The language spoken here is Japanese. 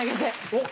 おっ！